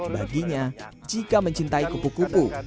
baginya jika mencintai kupu kupu